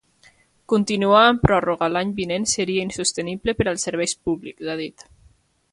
Continuar en pròrroga l’any vinent seria insostenible per als serveis públics, ha dit.